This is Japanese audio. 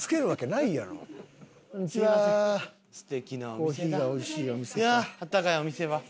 いやあ暖かいお店は。